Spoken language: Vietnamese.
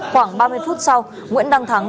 khoảng ba mươi phút sau nguyễn đăng thắng